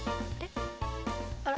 あら？